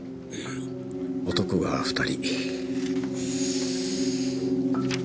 男が２人。